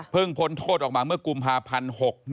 พ้นโทษออกมาเมื่อกุมภาพันธ์๖๑